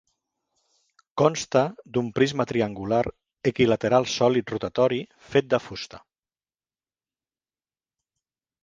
Consta d'un prisma triangular equilateral sòlid rotatori fet de fusta.